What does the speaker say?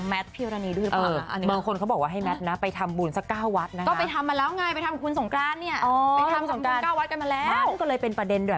ไม่รู้ว่าเป็นทอปตีชงของแมทพิราณีด้วยหรือเปล่า